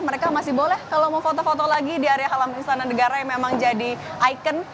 mereka masih boleh kalau mau foto foto lagi di area halaman istana negara yang memang jadi ikon